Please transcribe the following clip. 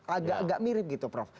agak agak mirip gitu prof